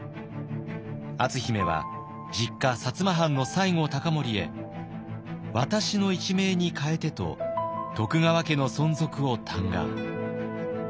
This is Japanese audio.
篤姫は実家薩摩藩の西郷隆盛へ「私の一命に代えて」と徳川家の存続を嘆願。